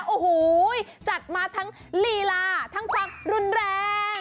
โอ้โหจัดมาทั้งลีลาทั้งความรุนแรง